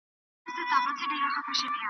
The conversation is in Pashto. نه پیسې لرم اونه یې درکومه .